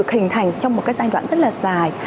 hình thành trong một cái giai đoạn rất là dài